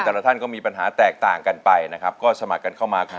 แต่ละท่านก็มีปัญหาแตกต่างกันไปนะครับก็สมัครกันเข้ามาครับ